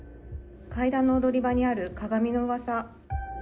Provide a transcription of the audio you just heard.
階段の踊り場にある鏡の噂